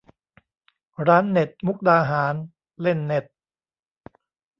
ร้านเน็ตมุกดาหาร : เล่นเน็ต